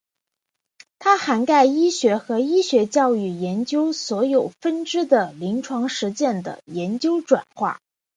它涵盖医学和医学教育研究所有分支的临床实践的研究转化。